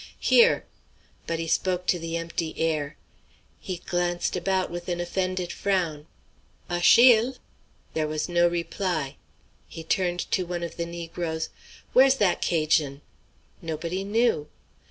"Here!" But he spoke to the empty air. He glanced about with an offended frown. "Achille!" There was no reply. He turned to one of the negroes: "Where's that 'Cajun?" Nobody knew.